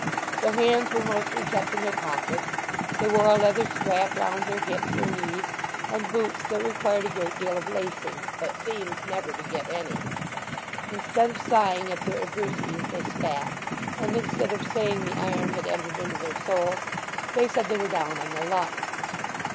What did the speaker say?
Their hands were mostly kept in their pockets; they wore a leather strap round their hips or knees, and boots that required a great deal of lacing, but seemed never to get any. Instead of sighing at their adversities they spat, and instead of saying the iron had entered into their souls they said they were down on their luck.